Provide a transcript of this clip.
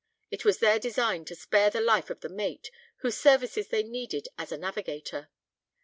It was their design to spare the life of the mate, whose services they needed as a navigator.